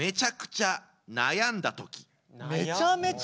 めちゃめちゃ。